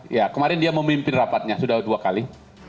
ya kemarin dia memimpin rapatnya sudah dua kali